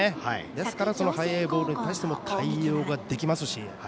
ですから、速いボールに対しても対応できますし。